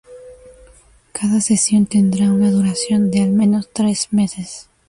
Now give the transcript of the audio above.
Cada sesión tendrá una duración de al menos tres meses.